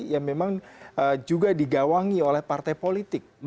yang memang juga digawangi oleh partai politik